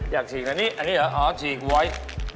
อย่าฉีกอันนี้อันนี้เหรออ๋อฉีกไว้